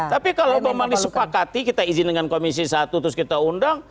tapi kalau memang disepakati kita izin dengan komisi satu terus kita undang